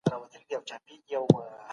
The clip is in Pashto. د غړو روغتیایی حالت څنګه معاینه کیږي؟